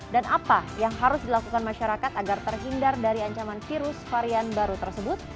dan apa yang harus dilakukan masyarakat agar terhindar dari ancaman virus varian baru tersebut